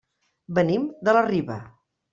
Venim de la Riba.